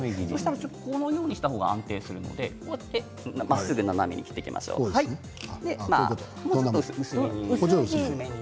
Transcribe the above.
このようにした方が安定するのでまっすぐ斜めに切りましょう薄切りに。